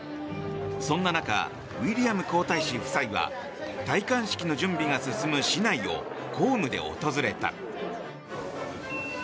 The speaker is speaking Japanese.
そんな中ウィリアム皇太子夫妻は戴冠式の準備が進む市内を公務で訪れた。